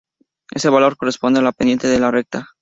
Este valor corresponde a la pendiente de la recta.